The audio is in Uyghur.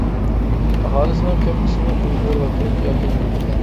ئاھالىسىنىڭ كۆپ قىسمى ئۇيغۇر ۋە تۈرك ياكى موڭغۇللار.